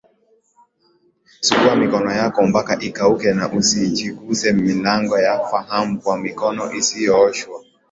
Sugua mikono yako mpaka ikauke na usijiguse milango ya faham kwa mikono isiyooshwa